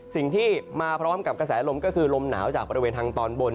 สิ่งที่มาพร้อมกับกระแสลมก็คือลมหนาวจากบริเวณทางตอนบน